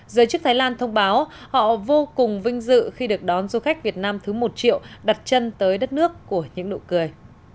giới chức thái lan thông báo họ vô cùng vinh dự khi được đón du khách việt nam thứ một triệu đặt chân tới đất nước của những nụ cười